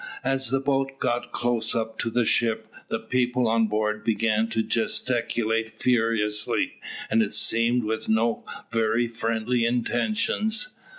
As the boats got close up to the ship, the people on board began to gesticulate furiously, and it seemed with no very friendly intentions.